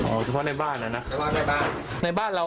โอ้โฮได้แต่หนุนของอยู่กับบ้าน